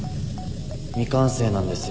未完成なんですよ